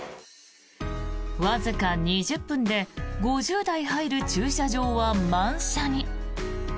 わずか２０分で５０台入る駐車場は満車に。